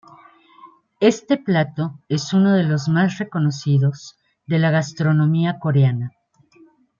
Este plato es uno de los más reconocidos de la gastronomía coreana.